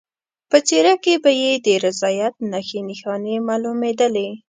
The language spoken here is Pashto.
په څېره کې به یې د رضایت نښې نښانې معلومېدلې.